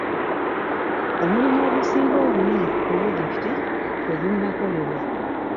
Omulimu ogusinga obunene ku pulojekiti tegunnakolebwa..